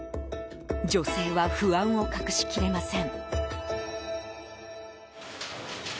女性は不安を隠しきれません。